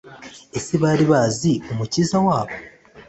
Ese bari bazi Umukiza wabo?